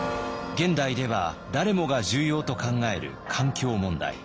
現代では誰もが重要と考える環境問題。